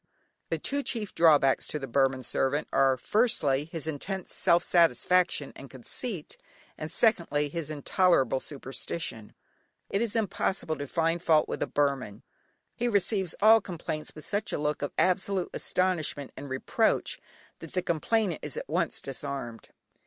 The two chief drawbacks to the Burman servant are, firstly, his intense self satisfaction and conceit, and secondly, his intolerable superstition. It is impossible to find fault with a Burman. He receives all complaints with a look of such absolute astonishment and reproach that the complainant is at once disarmed.